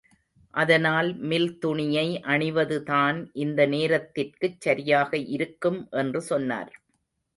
அதனால் மில் துணியை அணிவதுதான் இந்த நேரத்திற்குச் சரியாக இருக்கும் என்று சொன்னார்.